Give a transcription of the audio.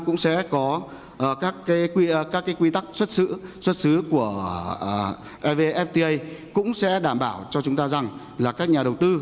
cũng sẽ có các quy tắc xuất xứ xuất xứ của evfta cũng sẽ đảm bảo cho chúng ta rằng là các nhà đầu tư